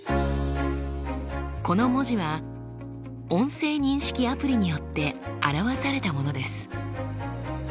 この文字は音声認識アプリによってあらわされたものです。